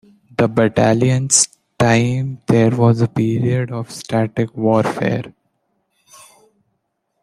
The battalion's time there was a period of static warfare.